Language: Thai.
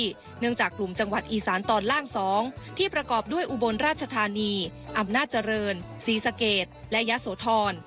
เนื่องจากกลุ่มจังหวัดอีสานตอนล่าง๒ที่ประกอบด้วยอุบลราชธานีอำนาจเจริญศรีสะเกดและยะโสธร